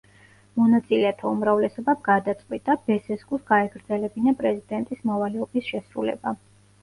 მონაწილეთა უმრავლესობამ გადაწყვიტა ბესესკუს გაეგრძელებინა პრეზიდენტის მოვალეობის შესრულება.